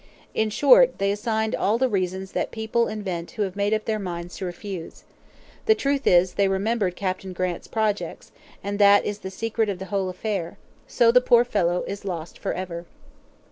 In short, they assigned all the reasons that people invent who have made up their minds to refuse. The truth is, they remembered Captain Grant's projects, and that is the secret of the whole affair. So the poor fellow is lost for ever."